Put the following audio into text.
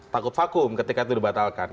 takut vakum ketika itu dibatalkan